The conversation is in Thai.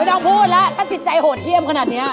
ต้องพูดแล้วถ้าจิตใจโหดเยี่ยมขนาดนี้